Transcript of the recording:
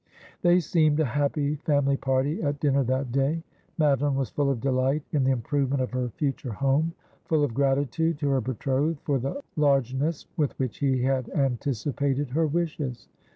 They seemed a happy family party at dinner that day. Madeline was full of delight in the improvement of her future home — full of gratitude to her betrothed for the largeness with which he had anticipated her wishes.